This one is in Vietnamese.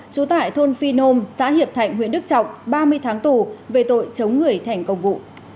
trú tại thôn phi nôm xã hiệp thạnh huyện đức trọng ba mươi tháng tù về tội chống người thành công vụ